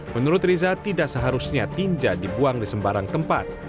menurut riza tidak seharusnya tinja dibuang di sembarang tempat